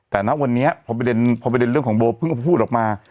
แต่ณวันนี้พอประเด็นเรื่องของโบเพิ่งก็พูดออกมา